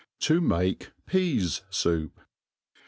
To make Peas^Soup.